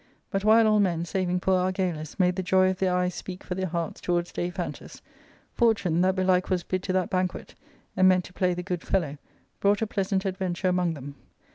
But while all men, saving poor Argalus, made the joy of their eyes speak for their hearts towards Daiphantus, Fortune, that belike was bid to that banquet, and meant to play the good fellow, brought a . pleasant adventure among them.